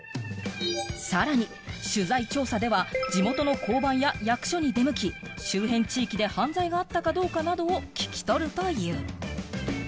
さらに取材調査では、地元の交番や役所に出向き、周辺地域で犯罪があったかどうかなどを聞き取るという。